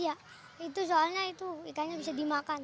iya itu soalnya itu ikannya bisa dimakan